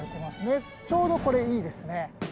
ちょうどこれいいですね。